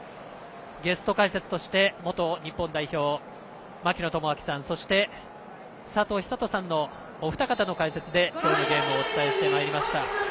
ゲスト解説として元日本代表の槙野智章さん佐藤寿人さんのお二人の解説で今日のゲームをお伝えしてまいりました。